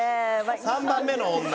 ３番目の女。